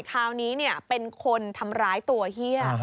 คราวนี้เป็นคนทำร้ายตัวเฮีย